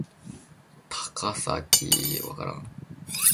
高咲侑